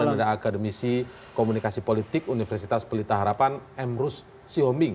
kemudian ada akademisi komunikasi politik universitas pelita harapan emrus sihombing